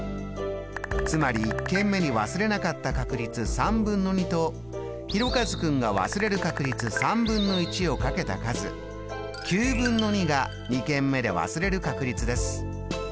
つまり１軒目に忘れなかった確率とひろかず君が忘れる確率をかけた数が２軒目で忘れる確率です。